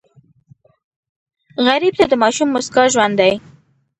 غریب ته د ماشوم موسکا ژوند دی